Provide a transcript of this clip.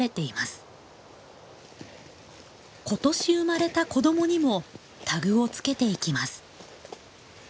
今年生まれた子どもにもタグをつけていきます。